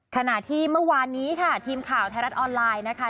ขณะที่เมื่อวานนี้ค่ะทีมข่าวไทยรัฐออนไลน์นะคะ